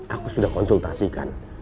aku sudah konsultasikan